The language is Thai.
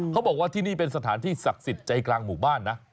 เขาบอกว่าที่นี่เป็นสถานที่ศักดิ์สิทธิ์ใจกลางหมู่บ้านนะ